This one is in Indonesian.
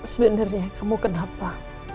sebenernya kamu kenapa